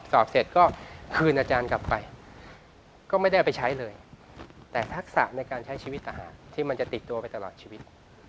สอบเสร็จก็คืนอาจารย์กลับไปก็ไม่ได้เอาไปใช้เลยแต่ทักษะในการใช้ชีวิตทหารที่มันจะติดตัวไปตลอดชีวิต